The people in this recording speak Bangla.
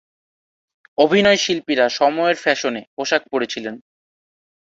অভিনয়শিল্পীরা সময়ের ফ্যাশনে পোশাক পরেছিলেন।